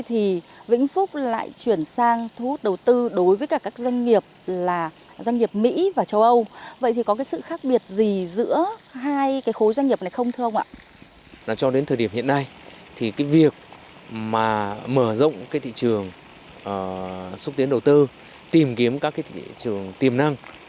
hiện nay việc mở rộng thị trường xúc tiến đầu tư tìm kiếm các thị trường tiềm năng